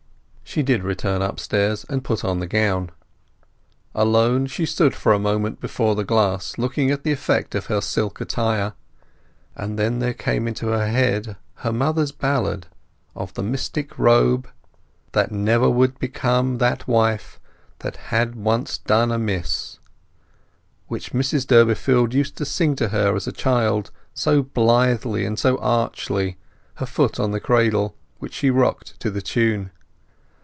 She did return upstairs, and put on the gown. Alone, she stood for a moment before the glass looking at the effect of her silk attire; and then there came into her head her mother's ballad of the mystic robe— That never would become that wife That had once done amiss, which Mrs Durbeyfield had used to sing to her as a child, so blithely and so archly, her foot on the cradle, which she rocked to the tune.